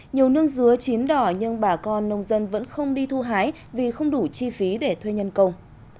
nhiều nương dứa chín đỏ nhưng bà con nông dân vẫn không đi thu hái vì không đủ chi phí để thuê nhân công